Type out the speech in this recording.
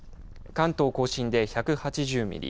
関東甲信で１８０ミリ